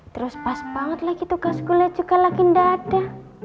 terus pas banget lagi tugas kuliah juga lagi nggak ada